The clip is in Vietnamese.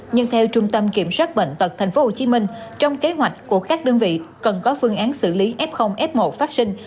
nhưng theo trung tâm kiểm soát bệnh tật tp hcm trong kế hoạch của các đơn vị cần có phương án xử lý f f một phát sinh